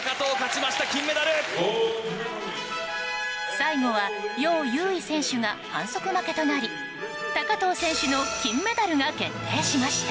最後は、ヨウ・ユウイ選手が反則負けとなり高藤選手の金メダルが決定しました。